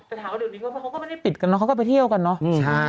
แต่ถามว่าเดี๋ยวนี้เขาก็ไม่ได้ปิดกันเนาะเขาก็ไปเที่ยวกันเนอะ